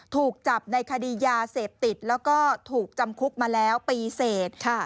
ถูกจับในคดียาเสพติดแล้วก็ถูกจำคุกมาแล้วปีเสร็จค่ะ